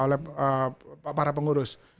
oleh para pengurus